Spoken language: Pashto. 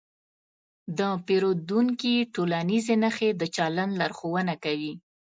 د پیریدونکي ټولنیزې نښې د چلند لارښوونه کوي.